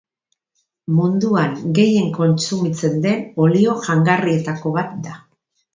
Munduan gehien kontsumitzen den olio jangarrietako bat da.